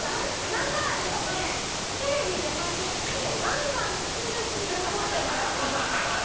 なんならですねテレビ出まくってガンガン作るシーンを撮ってもらっていました。